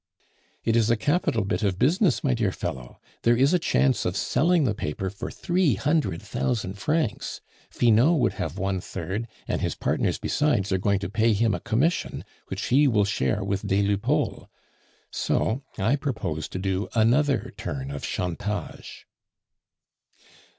"It is a capital bit of business, my dear fellow. There is a chance of selling the paper for three hundred thousand francs; Finot would have one third, and his partners besides are going to pay him a commission, which he will share with des Lupeaulx. So I propose to do another turn of 'chantage.